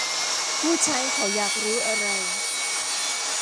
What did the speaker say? ผู้ใช้เขาอยากรู้อะไร